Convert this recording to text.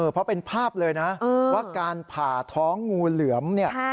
เพราะเป็นภาพเลยนะว่าการผ่าท้องงูเหลือมเนี่ย